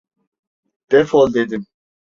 Defol dedim!